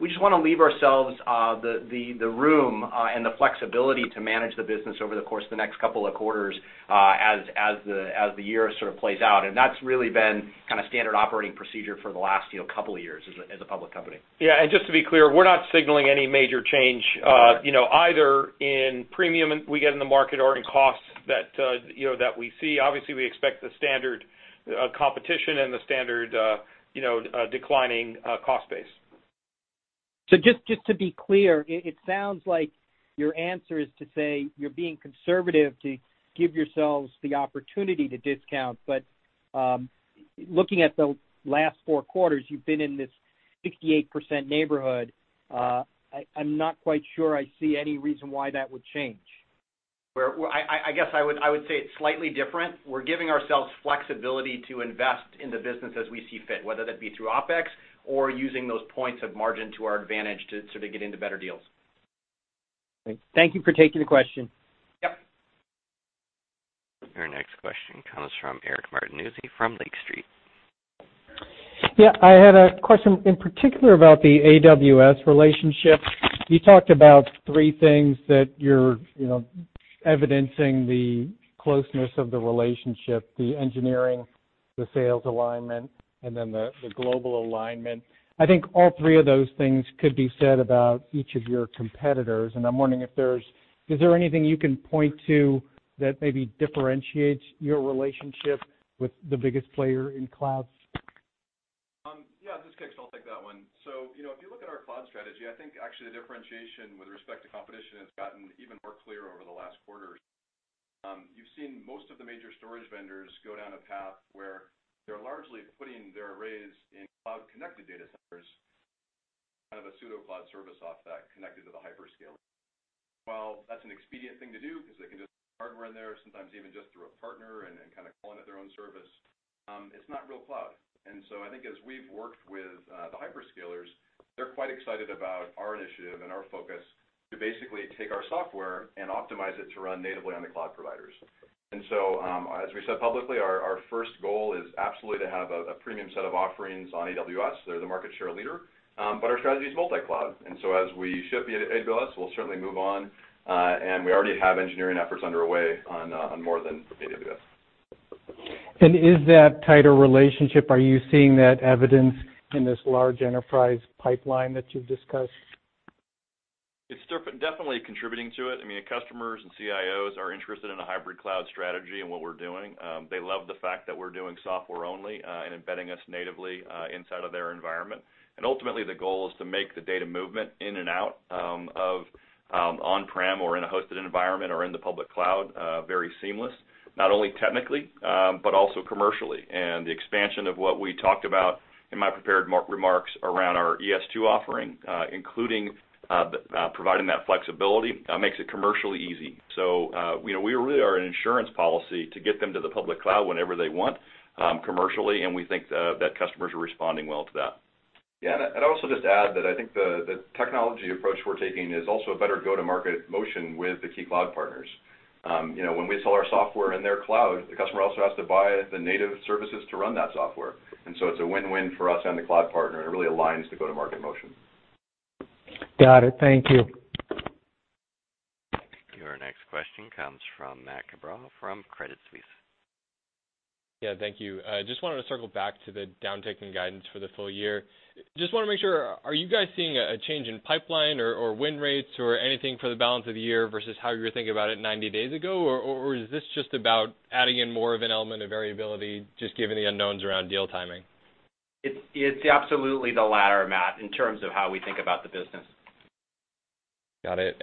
We just want to leave ourselves the room and the flexibility to manage the business over the course of the next couple of quarters as the year sort of plays out. That's really been standard operating procedure for the last couple of years as a public company. Just to be clear, we're not signaling any major change either in premium we get in the market or in costs that we see. Obviously, we expect the standard competition and the standard declining cost base. Just to be clear, it sounds like your answer is to say you're being conservative to give yourselves the opportunity to discount. Looking at the last four quarters, you've been in this 68% neighborhood. I'm not quite sure I see any reason why that would change. I guess I would say it's slightly different. We're giving ourselves flexibility to invest in the business as we see fit, whether that be through OpEx or using those points of margin to our advantage to sort of get into better deals. Okay. Thank you for taking the question. Yep. Your next question comes from Eric Martinuzzi from Lake Street. Yeah. I had a question in particular about the AWS relationship. You talked about three things that you're evidencing the closeness of the relationship, the engineering, the sales alignment, and then the global alignment. I think all three of those things could be said about each of your competitors, and I'm wondering if there's anything you can point to that maybe differentiates your relationship with the biggest player in clouds? Yeah, this is Kix. I'll take that one. If you look at our cloud strategy, I think actually the differentiation with respect to competition has gotten even more clear over the last quarter. You've seen most of the major storage vendors go down a path where they're largely putting their arrays in cloud-connected data centers, kind of a pseudo cloud service off that connected to the hyperscaler. While that's an expedient thing to do because they can just put hardware in there sometimes even just through a partner and kind of calling it their own service, it's not real cloud. I think as we've worked with the hyperscalers, they're quite excited about our initiative and our focus to basically take our software and optimize it to run natively on the cloud providers. As we said publicly, our first goal is absolutely to have a premium set of offerings on AWS. They're the market share leader. Our strategy is multi-cloud, as we ship the AWS, we'll certainly move on, and we already have engineering efforts underway on more than AWS. Is that tighter relationship, are you seeing that evidence in this large enterprise pipeline that you've discussed? It's definitely contributing to it. Customers and CIOs are interested in a hybrid cloud strategy and what we're doing. They love the fact that we're doing software only, and embedding us natively inside of their environment. Ultimately, the goal is to make the data movement in and out of on-prem or in a hosted environment or in the public cloud very seamless, not only technically, but also commercially. The expansion of what we talked about in my prepared remarks around our ES2 offering, including providing that flexibility makes it commercially easy. We really are an insurance policy to get them to the public cloud whenever they want commercially, and we think that customers are responding well to that. Yeah, I'd also just add that I think the technology approach we're taking is also a better go-to-market motion with the key cloud partners. When we sell our software in their cloud, the customer also has to buy the native services to run that software. It's a win-win for us and the cloud partner, and it really aligns the go-to-market motion. Got it. Thank you. Your next question comes from Matthew Cabral from Credit Suisse. Yeah, thank you. Just wanted to circle back to the downtick in guidance for the full year. Just want to make sure, are you guys seeing a change in pipeline or win rates or anything for the balance of the year versus how you were thinking about it 90 days ago, or is this just about adding in more of an element of variability just given the unknowns around deal timing? It's absolutely the latter, Matt, in terms of how we think about the business. Got it.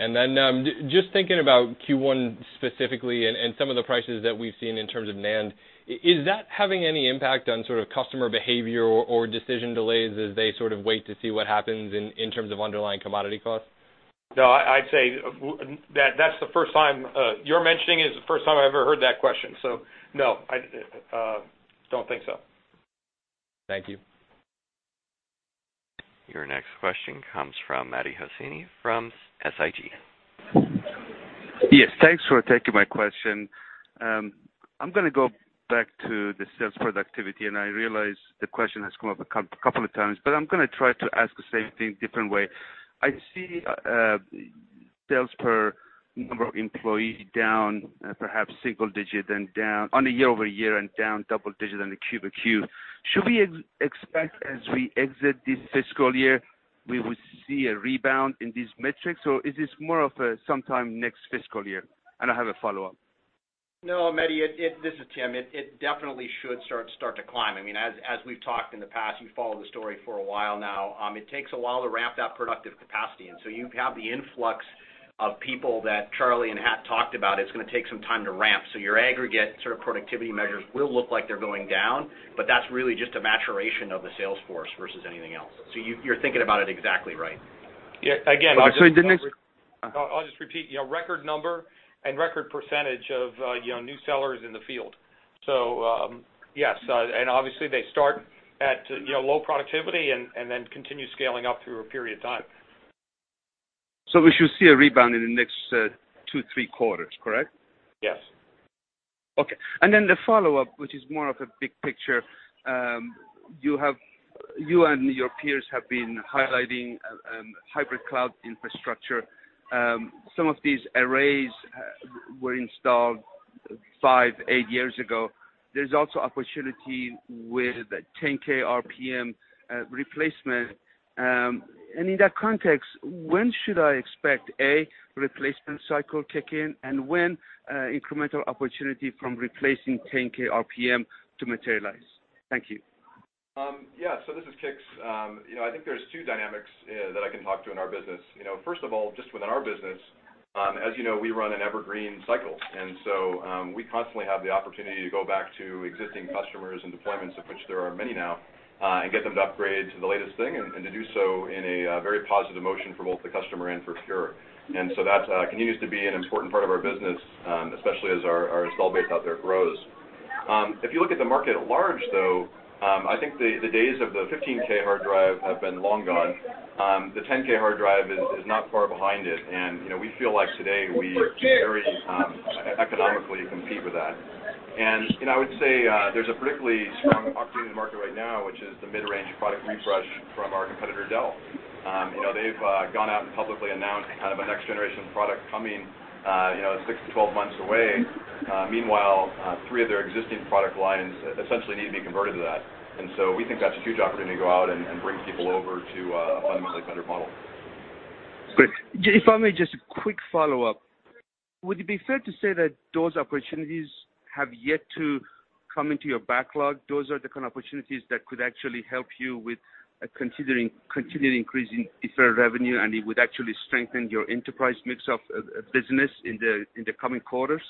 Just thinking about Q1 specifically and some of the prices that we've seen in terms of NAND, is that having any impact on sort of customer behavior or decision delays as they sort of wait to see what happens in terms of underlying commodity costs? No, your mentioning it is the first time I ever heard that question. No, I don't think so. Thank you. Your next question comes from Mehdi Hosseini from SIG. Yes, thanks for taking my question. I'm going to go back to the sales productivity, I realize the question has come up a couple of times, but I'm going to try to ask the same thing different way. I see sales per number of employees down perhaps single digit on a year-over-year and down double digit on a Q-over-Q. Should we expect as we exit this fiscal year, we will see a rebound in these metrics, or is this more of a sometime next fiscal year? I have a follow-up. No, Mehdi, this is Tim. It definitely should start to climb. As we've talked in the past, you followed the story for a while now, it takes a while to ramp that productive capacity. You have the influx of people that Charlie and Hat talked about, it's going to take some time to ramp. Your aggregate sort of productivity measures will look like they're going down, but that's really just a maturation of the sales force versus anything else. You're thinking about it exactly right. Again, I'll just repeat, record number and record percentage of new sellers in the field. Yes, obviously they start at low productivity and then continue scaling up through a period of time. We should see a rebound in the next two, three quarters, correct? Yes. Okay. The follow-up, which is more of a big picture. You and your peers have been highlighting hybrid cloud infrastructure. Some of these arrays were installed five, eight years ago. There's also opportunity with 10K RPM replacement. In that context, when should I expect, A, replacement cycle kick in, and when incremental opportunity from replacing 10K RPM to materialize? Thank you. Yeah. This is Kix. I think there's two dynamics that I can talk to in our business. First of all, just within our business, as you know, we run an evergreen cycle. We constantly have the opportunity to go back to existing customers and deployments, of which there are many now, and get them to upgrade to the latest thing, and to do so in a very positive motion for both the customer and for Pure. That continues to be an important part of our business, especially as our install base out there grows. If you look at the market at large, though, I think the days of the 15K hard drive have been long gone. The 10K hard drive is not far behind it, we feel like today we can very economically compete with that. I would say there's a particularly strong opportunity in the market right now, which is the mid-range product refresh from our competitor, Dell. They've gone out and publicly announced kind of a next generation product coming 6 to 12 months away. Meanwhile, three of their existing product lines essentially need to be converted to that. We think that's a huge opportunity to go out and bring people over to a fundamentally better model. Great. If I may, just a quick follow-up. Would it be fair to say that those opportunities have yet to come into your backlog? Those are the kind of opportunities that could actually help you with continuing increasing deferred revenue, it would actually strengthen your enterprise mix of business in the coming quarters?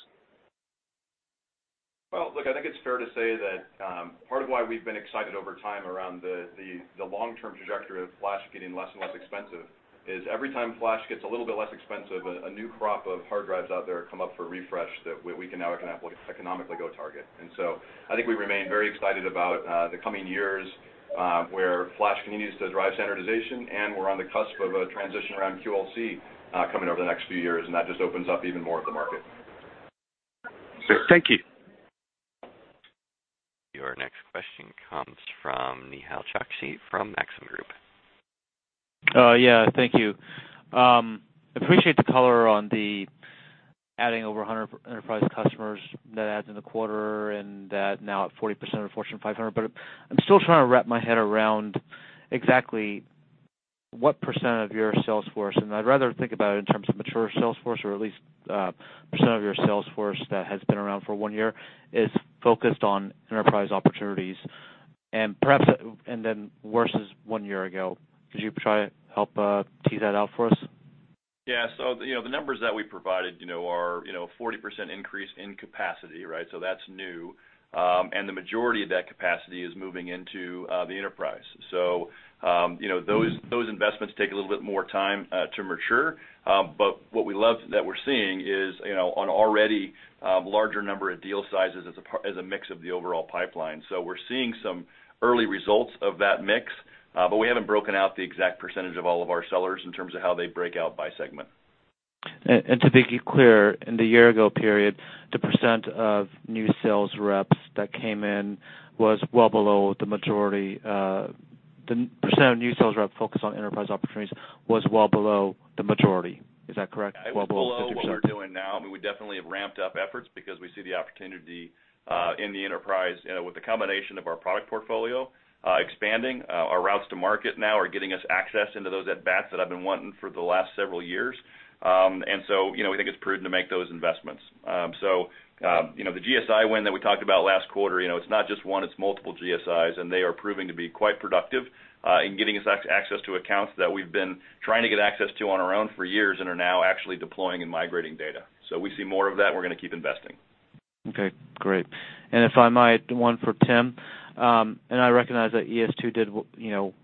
Well, look, I think it's fair to say that part of why we've been excited over time around the long-term trajectory of flash getting less and less expensive is every time flash gets a little bit less expensive, a new crop of hard drives out there come up for refresh that we can now economically go target. I think we remain very excited about the coming years, where flash continues to drive standardization, we're on the cusp of a transition around QLC coming over the next few years, that just opens up even more of the market. Thank you. Your next question comes from Nehal Chokshi from Maxim Group. Yeah, thank you. Appreciate the color on the adding over 100 enterprise customers net add in the quarter, and that now at 40% of Fortune 500. I'm still trying to wrap my head around exactly what percent of your sales force, and I'd rather think about it in terms of mature sales force or at least percent of your sales force that has been around for one year, is focused on enterprise opportunities. Perhaps, then versus one year ago. Could you try to help tease that out for us? The numbers that we provided are 40% increase in capacity, right? That's new. The majority of that capacity is moving into the enterprise. Those investments take a little bit more time to mature. What we love that we're seeing is on already larger number of deal sizes as a mix of the overall pipeline. We're seeing some early results of that mix. We haven't broken out the exact percentage of all of our sellers in terms of how they break out by segment. To be clear, in the year ago period, the % of new sales reps that came in was well below the majority. The % of new sales rep focused on enterprise opportunities was well below the majority. Is that correct? Global as we've seen. It was below what we're doing now. We definitely have ramped up efforts because we see the opportunity in the enterprise. With the combination of our product portfolio expanding, our routes to market now are getting us access into those at-bats that I've been wanting for the last several years. We think it's prudent to make those investments. The GSI win that we talked about last quarter, it's not just one, it's multiple GSIs, and they are proving to be quite productive in getting us access to accounts that we've been trying to get access to on our own for years and are now actually deploying and migrating data. We see more of that, and we're going to keep investing. Okay, great. If I might, one for Tim, I recognize that ES2 did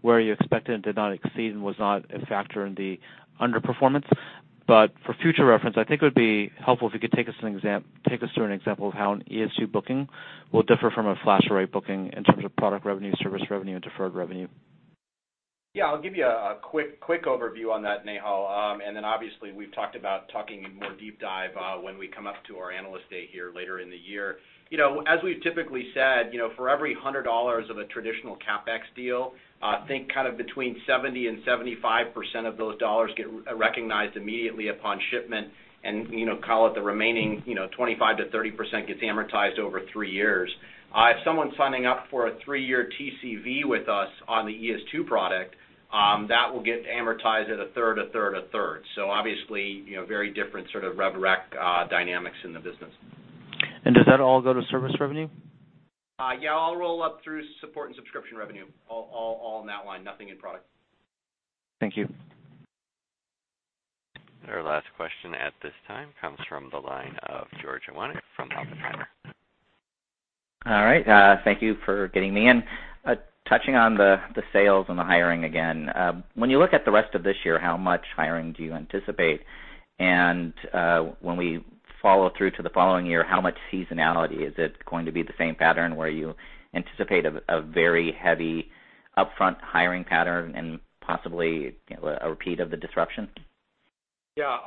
where you expected and did not exceed and was not a factor in the underperformance. For future reference, I think it would be helpful if you could take us through an example of how an ES2 booking will differ from a FlashArray booking in terms of product revenue, service revenue, and deferred revenue. Yeah, I'll give you a quick overview on that, Nehal. Then, obviously, we've talked about talking more deep dive when we come up to our Analyst Day here later in the year. As we've typically said, for every $100 of a traditional CapEx deal, think between 70% and 75% of those dollars get recognized immediately upon shipment. Call it the remaining 25%-30% gets amortized over three years. If someone's signing up for a three-year TCV with us on the ES2 product, that will get amortized at a third, a third, a third. Obviously, very different sort of rev rec dynamics in the business. Does that all go to service revenue? Yeah, all roll up through support and subscription revenue, all in that line, nothing in product. Thank you. Our last question at this time comes from the line of George Iwanyc from Oppenheimer. All right. Thank you for getting me in. Touching on the sales and the hiring again. When you look at the rest of this year, how much hiring do you anticipate? When we follow through to the following year, how much seasonality? Is it going to be the same pattern where you anticipate a very heavy upfront hiring pattern and possibly a repeat of the disruption? Yeah.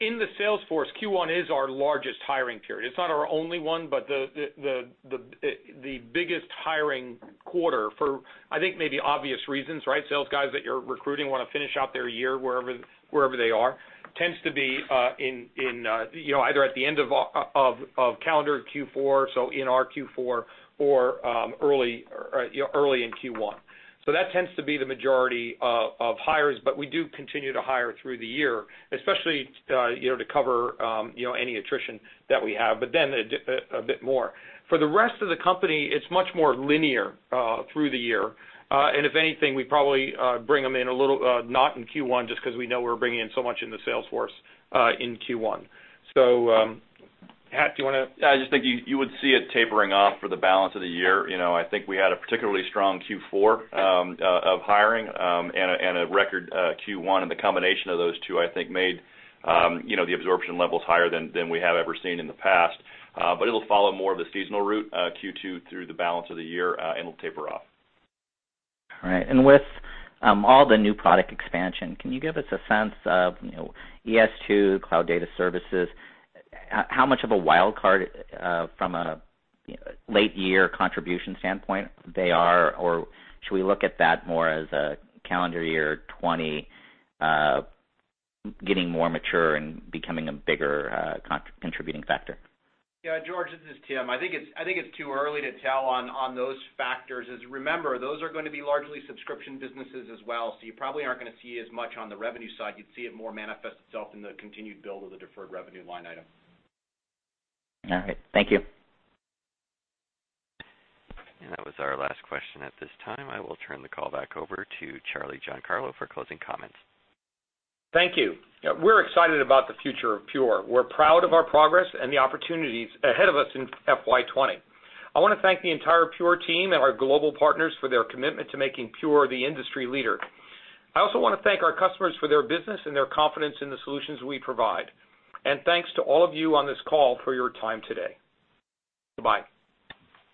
In the sales force, Q1 is our largest hiring period. It's not our only one, but the biggest hiring quarter for, I think, maybe obvious reasons, right? Sales guys that you're recruiting want to finish out their year wherever they are, tends to be either at the end of calendar Q4, so in our Q4 or early in Q1. That tends to be the majority of hires, but we do continue to hire through the year, especially to cover any attrition that we have, but then a bit more. For the rest of the company, it's much more linear through the year. If anything, we probably bring them in a little, not in Q1, just because we know we're bringing in so much in the sales force, in Q1. Pat, I just think you would see it tapering off for the balance of the year. I think we had a particularly strong Q4 of hiring, and a record Q1. The combination of those two, I think, made the absorption levels higher than we have ever seen in the past. It'll follow more of the seasonal route, Q2 through the balance of the year, and it'll taper off. All right. With all the new product expansion, can you give us a sense of ES2 Cloud Data Services, how much of a wild card from a late year contribution standpoint they are? Should we look at that more as a calendar year 2020 getting more mature and becoming a bigger contributing factor? Yeah, George, this is Tim. I think it's too early to tell on those factors. Remember, those are going to be largely subscription businesses as well. You probably aren't going to see as much on the revenue side. You'd see it more manifest itself in the continued build of the deferred revenue line item. All right. Thank you. That was our last question at this time. I will turn the call back over to Charles Giancarlo for closing comments. Thank you. We're excited about the future of Pure. We're proud of our progress and the opportunities ahead of us in FY 2020. I want to thank the entire Pure team and our global partners for their commitment to making Pure the industry leader. I also want to thank our customers for their business and their confidence in the solutions we provide. Thanks to all of you on this call for your time today. Goodbye.